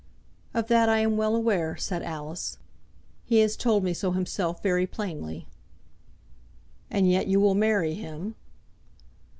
"Of that I am well aware," said Alice. "He has told me so himself very plainly." "And yet you will marry him?"